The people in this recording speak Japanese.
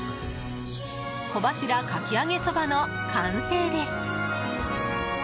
小柱かき揚げ蕎麦の完成です。